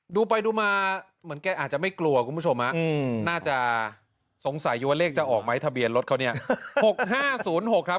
ดูไปดูมาเหมือนแกอาจจะไม่กลัวคุณผู้ชมฮะอืมน่าจะสงสัยอยู่ว่าเลขจะออกไหมทะเบียนรถเขานี่ห้าหกห้าศูนย์หกครับ